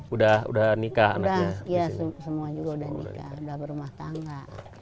udah udah nikah anaknya ya semua juga udah nikah udah berumah tangga